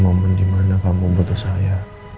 di momen momen dimana kamu butuh saya